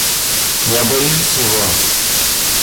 Я боюсь его.